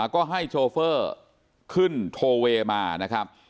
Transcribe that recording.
ก็ให้โชเฟอร์ขึ้นทอลเวย์มา